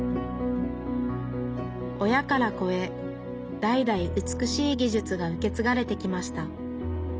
親から子へ代々美しい技術が受け継がれてきました。